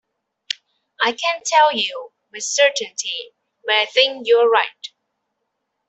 I can't tell you with certainty but I think you're right.